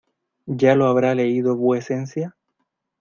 ¿ ya lo habrá leído vuecencia?